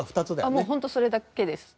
もう本当それだけです。